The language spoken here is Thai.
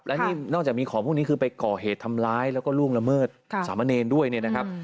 และนี่นอกจากมีของพวกนี้คือไปก่อเหตุทำร้ายแล้วก็ล่วงละเมิดสามเนรด้วยเนี่ยนะครับ